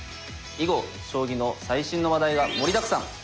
囲碁将棋の最新の話題が盛りだくさん。